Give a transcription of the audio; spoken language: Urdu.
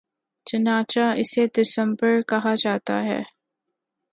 چنانچہ اسے دسمبر کہا جاتا تھا